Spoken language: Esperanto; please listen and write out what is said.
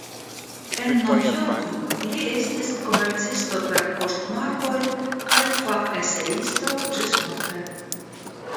En Novjorko li estis komercisto per poŝtmarkoj kaj fakeseisto ĝismorte.